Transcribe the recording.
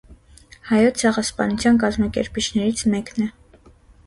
Հայոց ցեղասպանության կազմակերպիչներից մեկն է։